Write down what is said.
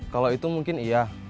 kalau itu mungkin iya